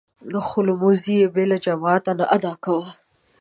خو لمونځ يې بې له جماعته نه ادا کاوه.